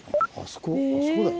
あそこだよ。